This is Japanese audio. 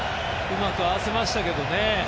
うまく合わせましたけどね。